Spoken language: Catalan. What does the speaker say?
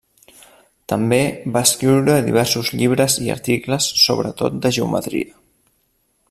També va escriure diversos llibres i articles, sobretot de geometria.